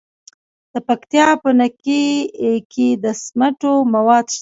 د پکتیکا په نکې کې د سمنټو مواد شته.